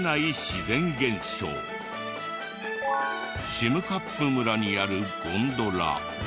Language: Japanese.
占冠村にあるゴンドラ。